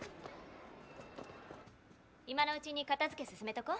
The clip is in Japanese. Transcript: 今のうちに片づけ進めとこ。